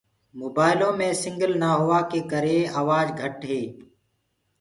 موبآئيلو مي سگنل نآ هوآ ڪي ڪري آوآج ڪٽ گي۔